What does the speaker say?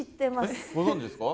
えっご存じですか？